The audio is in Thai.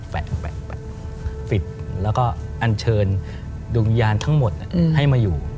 แปะปิดแล้วก็อัญเชิญดุงยานทั้งหมดให้มาอยู่